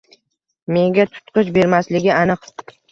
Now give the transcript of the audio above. Menga tutqich bermasligi aniq.